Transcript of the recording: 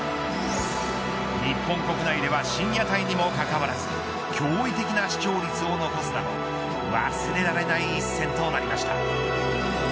日本国内では深夜帯にもかかわらず驚異的な視聴率を残すなど忘れられない一戦となりました。